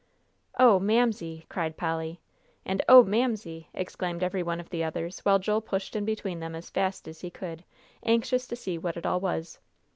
"Oh, Mamsie!" cried Polly, and, "Oh, Mamsie!" exclaimed every one of the others, while Joel pushed in between them as fast as he could, anxious to see what it all was.